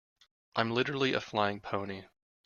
I'm literally a flying pony.